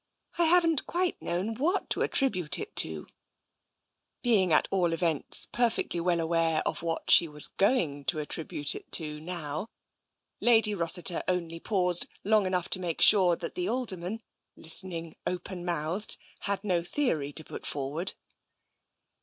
I haven't quite known what to attribute it to ^" Being at all events perfectly well aware of what she was going to attribute it to now. Lady Rossiter only paused long enough to make sure that the Alderman, listening open mouthed, had no theory to put forward.